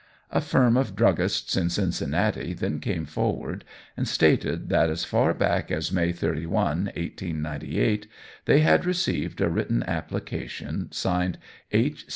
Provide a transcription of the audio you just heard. A firm of druggists in Cincinnati then came forward and stated, that as far back as May 31, 1898, they had received a written application signed "H.